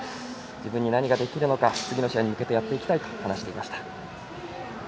自分に何ができるのか次の試合に向けてやっていきたいと話していました。